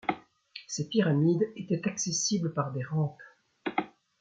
Ces pyramides étaient accessibles par des rampes.